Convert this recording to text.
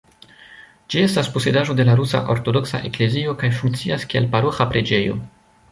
Ĝi estas posedaĵo de la Rusa Ortodoksa Eklezio kaj funkcias kiel paroĥa preĝejo.